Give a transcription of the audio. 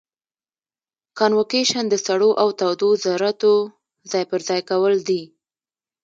کانویکشن د سړو او تودو ذرتو ځای پر ځای کول دي.